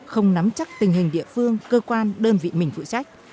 không nắm chắc tình hình địa phương cơ quan đơn vị mình phụ trách